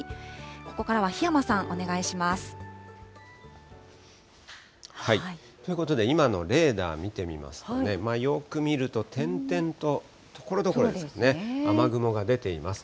ここからは檜山さん、お願いしまということで今のレーダー見てみますとね、よく見ると点々とところどころですかね、雨雲が出ています。